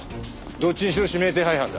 どっちにしろ指名手配犯だ。